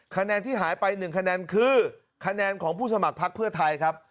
คะแนนที่หายไป๑คะแนนคือคะแนนของผู้สมัครพักเพื่อไทยครับ